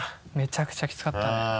めちゃくちゃきつかったね。